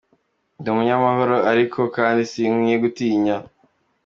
"Ndi umunyamahoro ariko kandi sinkwiye gutinya.